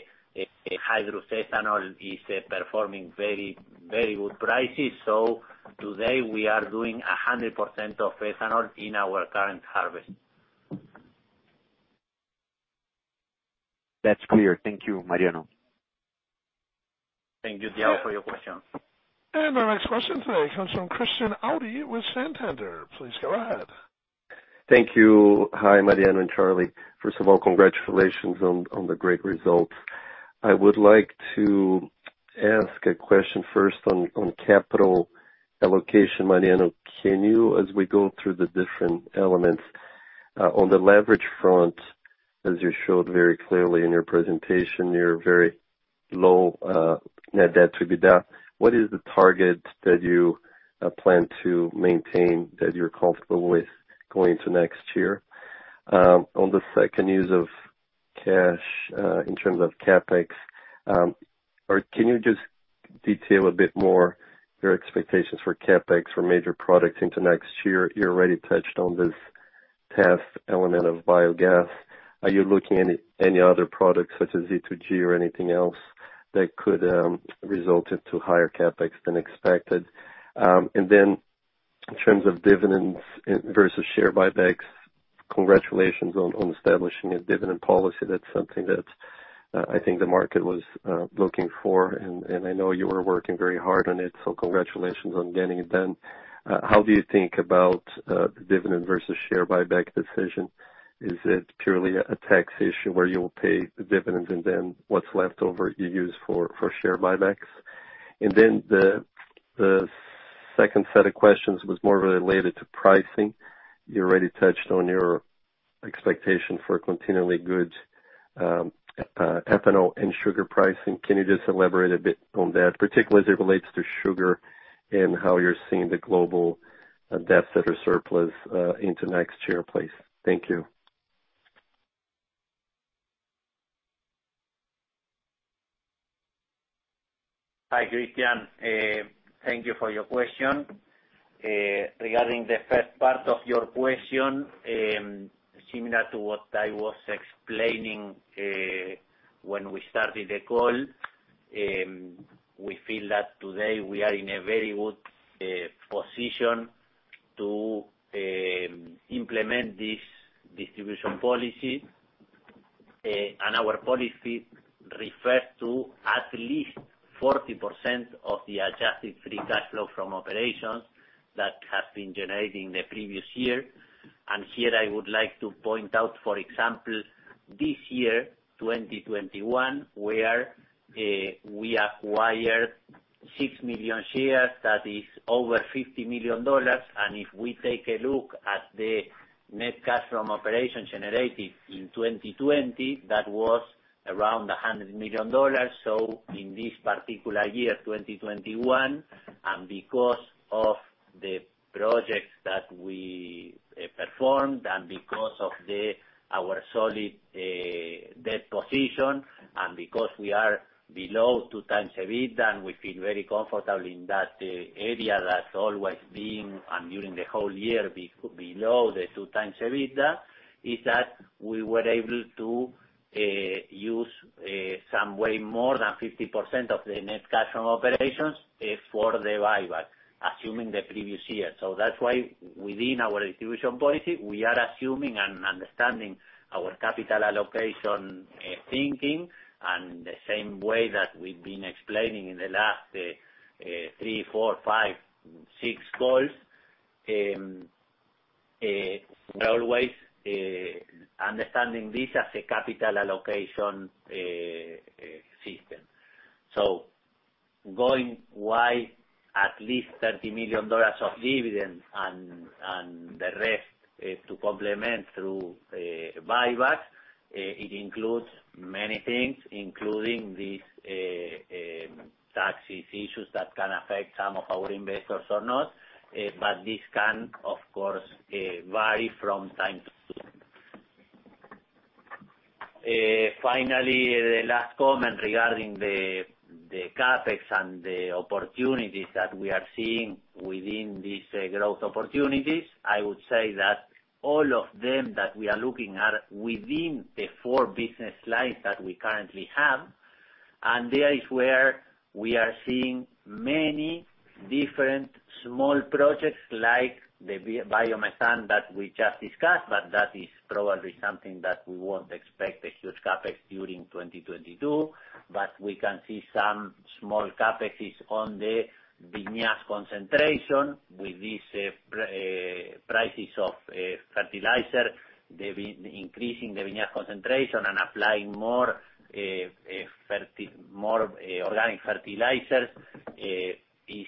hydrous ethanol is performing very, very good prices. So today, we are doing 100% of ethanol in our current harvest. That's clear. Thank you, Mariano. Thank you, Thiago, for your question. Our next question today comes from Christian Audi with Santander. Please go ahead. Thank you. Hi, Mariano and Charlie. First of all, congratulations on the great results. I would like to ask a question first on capital allocation. Mariano, can you, as we go through the different elements, on the leverage front, as you showed very clearly in your presentation, your very low net debt to EBITDA. What is the target that you plan to maintain that you're comfortable with going to next year? On the second use of cash, in terms of CapEx, or can you just detail a bit more your expectations for CapEx for major products into next year? You already touched on this test element of biogas. Are you looking at any other products such as E2G or anything else that could result into higher CapEx than expected? And then in terms of dividends versus share buybacks, congratulations on establishing a dividend policy. That's something that I think the market was looking for, and I know you were working very hard on it, so congratulations on getting it done. How do you think about the dividend versus share buyback decision? Is it purely a taxation where you will pay the dividends and then what's left over you use for share buybacks? And then the, the second set of questions was more related to pricing. You already touched on your expectation for continually good ethanol and sugar pricing. Can you just elaborate a bit on that, particularly as it relates to sugar and how you're seeing the global deficit or surplus into next year, please? Thank you. Hi, Christian. Thank you for your question. Regarding the first part of your question, similar to what I was explaining, when we started the call, we feel that today we are in a very good position to implement this distribution policy. And our policy refers to at least 40% of the adjusted free cash flow from operations that have been generating the previous year. Here I would like to point out, for example, this year, 2021, where we acquired six million shares, that is over $50 million. And if we take a look at the net cash from operations generated in 2020, that was around $100 million. In this particular year, 2021, because of the projects that we performed and because of our solid debt position, and because we are below 2x EBITDA, and we feel very comfortable in that area that's always been and during the whole year below the 2x EBITDA, we were able to use somewhere more than 50% of the net cash from operations for the buyback, as in the previous year. That's why within our distribution policy, we are assuming and understanding our capital allocation thinking. And the same way that we've been explaining in the last three, four, five, six calls, always understanding this as a capital allocation system. So going Y at least $30 million of dividends and the rest to complement through buyback, it includes many things, including these taxes issues that can affect some of our investors or not, but this can, of course, vary from time to time. Finally, the last comment regarding the CapEx and the opportunities that we are seeing within these growth opportunities, I would say that all of them that we are looking at are within the four business lines that we currently have. And there is where we are seeing many different small projects like the biomass plant that we just discussed, but that is probably something that we won't expect a huge CapEx during 2022. But we can see some small CapExes on the vinasse concentration. With these prices of fertilizer, increasing the vinasse concentration and applying more organic fertilizer is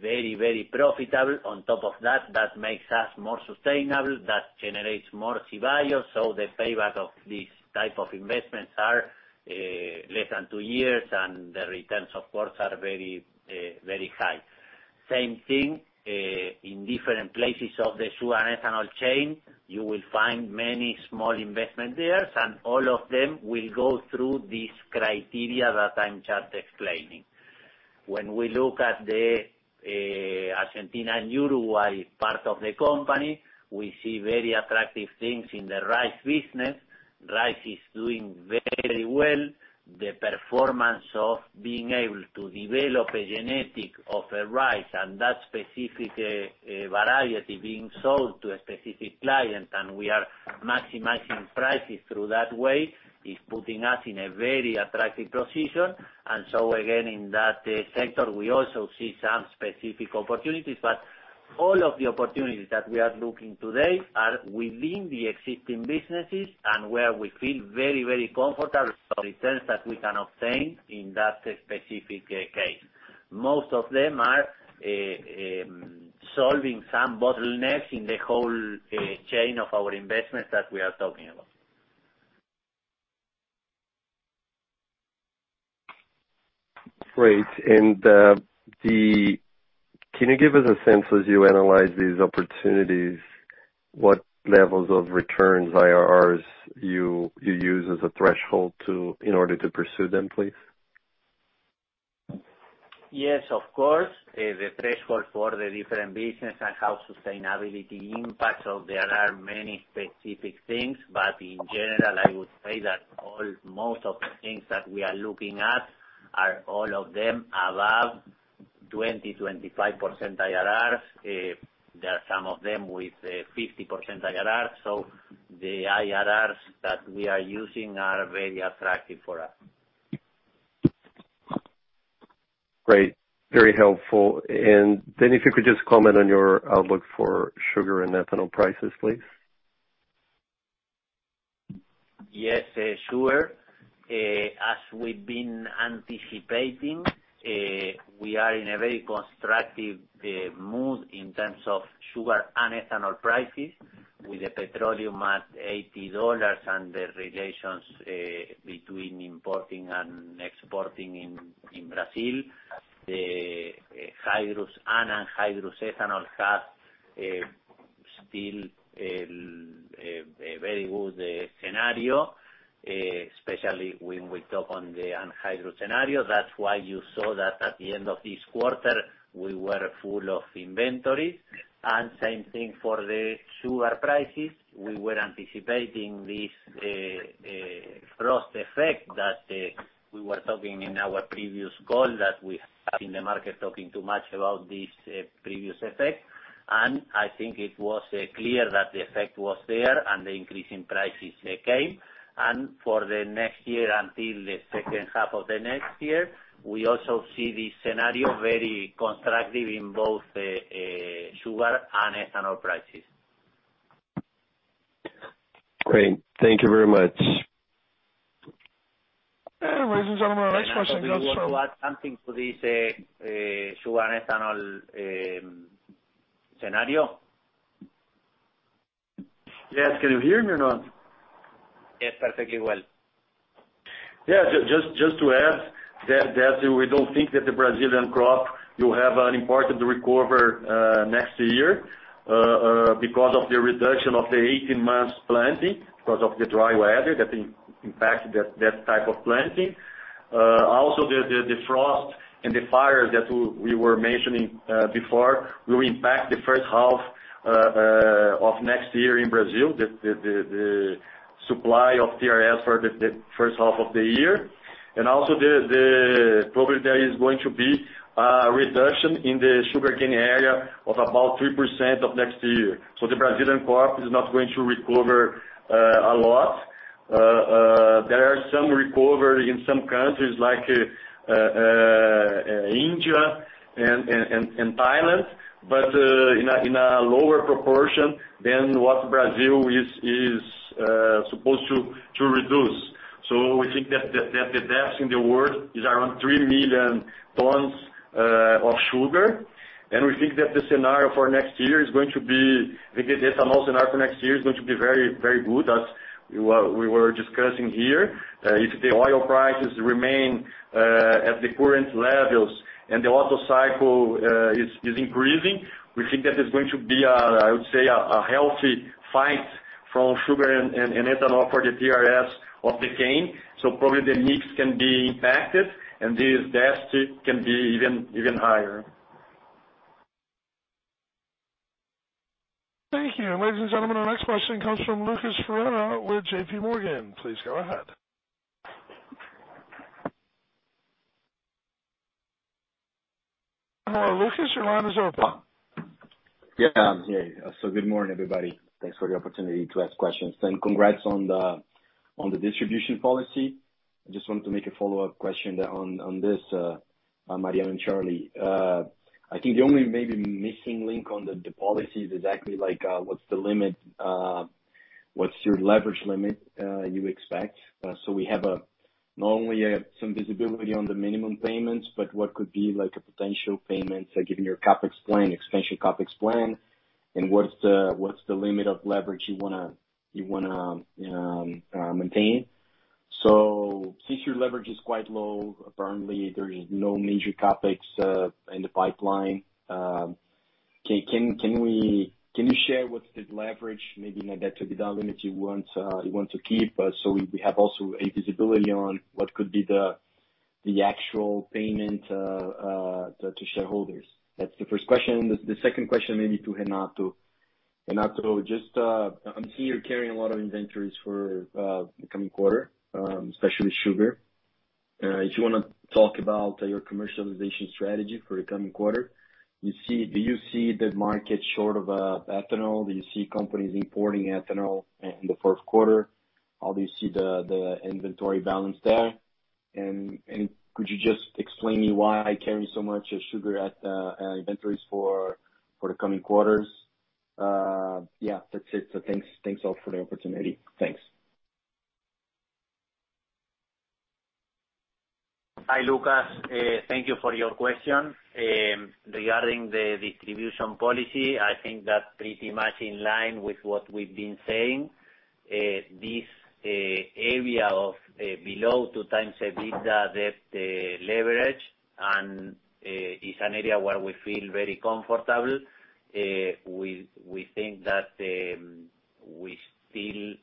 very, very profitable. On top of that makes us more sustainable, that generates more value. So the payback of these type of investments are less than two years, and the returns, of course, are very, very high. Same thing in different places of the sugar and ethanol chain. You will find many small investment there, and all of them will go through this criteria that I'm just explaining. When we look at the Argentina and Uruguay part of the company, we see very attractive things in the rice business. Rice is doing very well. The performance of being able to develop a genetic of a rice and that specific variety being sold to a specific client, and we are maximizing prices through that way, is putting us in a very attractive position. And so again, in that sector, we also see some specific opportunities. But all of the opportunities that we are looking today are within the existing businesses and where we feel very, very comfortable for returns that we can obtain in that specific case. Most of them are solving some bottlenecks in the whole chain of our investments that we are talking about. Great. And the... Can you give us a sense as you analyze these opportunities, what levels of returns, IRRs you, you use as a threshold to, in order to pursue them, please? Yes, of course. The threshold for the different business and how sustainability impacts, so there are many specific things. But in general, I would say that all, most of the things that we are looking at are all of them above 20%-25% IRRs. There are some of them with 50% IRRs. The IRRs that we are using are very attractive for us. Great. Very helpful. And if you could just comment on your outlook for sugar and ethanol prices, please. Yes, sure. As we've been anticipating, we are in a very constructive mood in terms of sugar and ethanol prices with the petroleum at $80 and the relations between importing and exporting in Brazil. The hydrous and anhydrous ethanol has still a very good scenario, especially when we talk on the anhydrous scenario. That's why you saw that at the end of this quarter, we were full of inventory. And same thing for the sugar prices. We were anticipating this frost effect that we were talking in our previous call, that we in the market talking too much about this previous effect. And I think it was clear that the effect was there and the increase in prices came. And for the next year until the second half of the next year, we also see the scenario very constructive in both sugar and ethanol prices. Great. Thank you very much. Ladies and gentlemen, our next question comes from- Renato, do you want to add something to this, sugar and ethanol, scenario? Yes. Can you hear me or not? Yes, perfectly well. Yeah. Just to add that we don't think that the Brazilian crop will have an important recovery next year because of the reduction of the 18-month planting because of the dry weather that impacted that type of planting. Also the frost and the fires that we were mentioning before will impact the first half of next year in Brazil, the, the, the supply of TRS for the first half of the year. And also probably there is going to be a reduction in the sugarcane area of about 3% next year. So the Brazilian crop is not going to recover a lot. There is some recovery in some countries like India and Thailand. But in a lower proportion than what Brazil is supposed to reduce. So we think that the deficit in the world is around three million tons of sugar. And we think that the scenario for next year is going to be because the ethanol scenario for next year is going to be very good, as we were discussing here. If the oil prices remain at the current levels and the Otto cycle is increasing, we think that there's going to be, I would say, a healthy fight from sugar and ethanol for the TRS of the cane. So probably the mix can be impacted and this deficit can be even higher. Thank you. Ladies and gentlemen, our next question comes from Lucas Ferreira with JPMorgan. Please go ahead. Hello, Lucas, your line is open. Yes, so good morning, everybody. Thanks for the opportunity to ask questions. Congrats on the distribution policy. I just wanted to make a follow-up question on this, Mariano and Charlie. I think the only maybe missing link on the policy is exactly like, what's the limit, what's your leverage limit, you expect? So we have not only some visibility on the minimum payments, but what could be like a potential payment, given your CapEx plan, expansion CapEx plan, and what's the limit of leverage you wanna maintain? Since your leverage is quite low, apparently there is no major CapEx in the pipeline. Can you share what's the leverage, maybe net debt to EBITDA limit you want to keep, so we have also a visibility on what could be the actual payment to shareholders? That's the first question. The second question maybe to Renato. Renato, just, I'm seeing you're carrying a lot of inventories for the coming quarter, especially sugar. If you wanna talk about your commercialization strategy for the coming quarter. Do you see the market short of ethanol? Do you see companies importing ethanol in the Q1? How do you see the inventory balance there? And could you just explain me why carry so much sugar at inventories for the coming quarters? Yeah, that's it. Thanks all for the opportunity. Thanks. Hi, Lucas. Thank you for your question. Regarding the distribution policy, I think that's pretty much in line with what we've been saying. This area of below two times EBITDA debt leverage and is an area where we feel very comfortable. We think that we still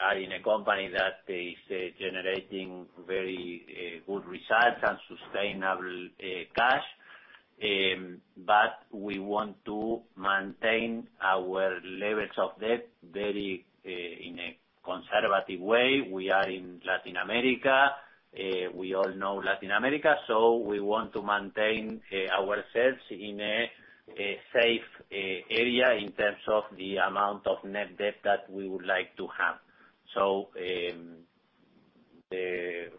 are in a company that is generating very good results and sustainable cash. But we want to maintain our levels of debt very in a conservative way. We are in Latin America. We all know Latin America. So we want to maintain ourselves in a safe area in terms of the amount of net debt that we would like to have. So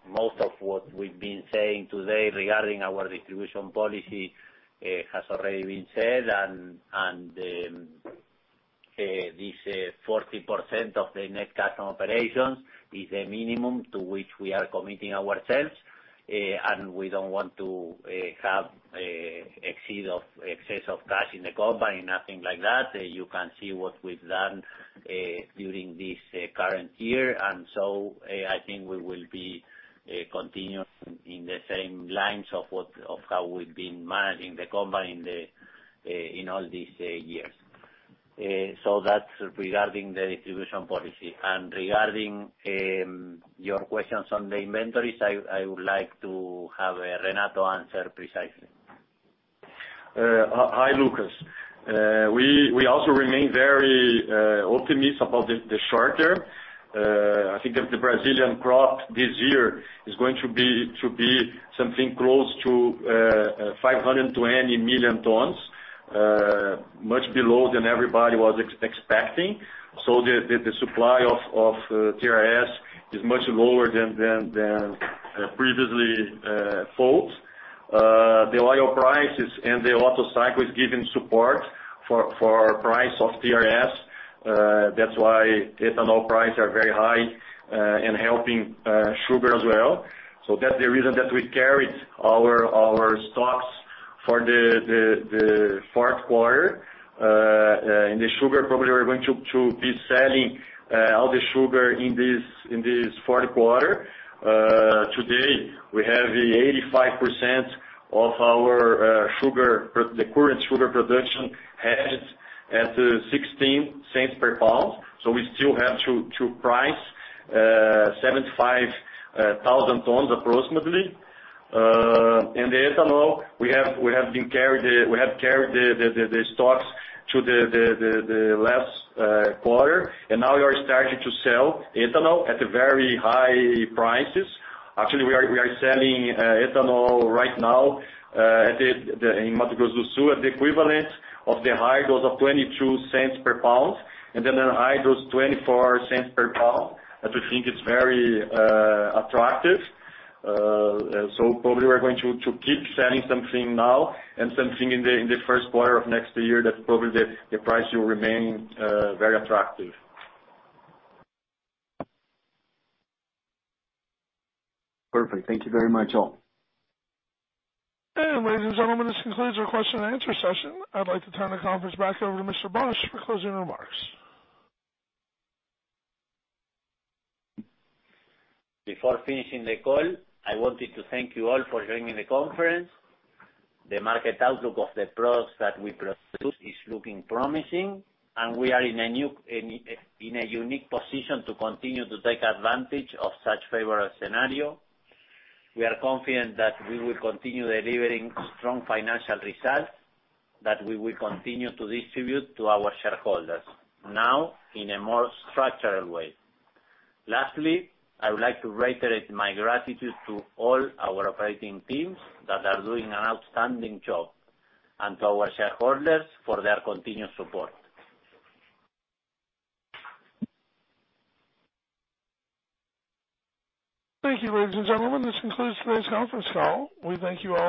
most of what we've been saying today regarding our distribution policy has already been said. And then this 40% of the net cash from operations is a minimum to which we are committing ourselves. We don't want to have excess of cash in the company, nothing like that. You can see what we've done during this current year. And so I think we will be continuous in the same lines of how we've been managing the company in all these years. So that's regarding the distribution policy. Regarding your questions on the inventories, I would like to have Renato answer precisely. Hi, Lucas. We also remain very optimistic about the short term. I think that the Brazilian crop this year is going to be something close to 520 million tons, much below than everybody was expecting. So the supply of TRS is much lower than previously thought. The oil prices and the Otto cycle is giving support for price of TRS. That's why ethanol prices are very high and helping sugar as well. So that's the reason that we carried our stocks for the Q4. In the sugar, probably we're going to be selling all the sugar in this Q4. Today, we have 85% of our current sugar production hedged at $0.16 per lbs, so we still have to price 75,000 tons approximately. In the ethanol, we have carried the stocks to the last quarter. And now we are starting to sell ethanol at very high prices. Actually, we are selling ethanol right now in Mato Grosso do Sul at the equivalent of the high of $0.22 per lbs, and then the high was $0.24 per lbs, that we think is very attractive. And so probably we're going to keep selling something now and something in the Q1 of next year, that probably the price will remain very attractive. Perfect. Thank you very much, all. Ladies and gentlemen, this concludes our question and answer session. I'd like to turn the conference back over to Mr. Bosch for closing remarks. Before finishing the call, I wanted to thank you all for joining the conference. The market outlook of the products that we produce is looking promising, and we are in a unique position to continue to take advantage of such favorable scenario. We are confident that we will continue delivering strong financial results, that we will continue to distribute to our shareholders, now in a more structural way. Lastly, I would like to reiterate my gratitude to all our operating teams that are doing an outstanding job, and to our shareholders for their continued support. Thank you, ladies and gentlemen. This concludes today's conference call. We thank you all for-